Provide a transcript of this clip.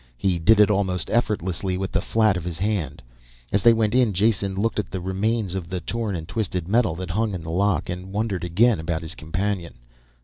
He did it almost effortlessly with the flat of his hand. As they went in Jason looked at the remnants of torn and twisted metal that hung in the lock and wondered again about his companion.